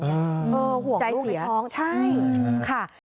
ห่วงลูกท้องใจเสียใช่ค่ะ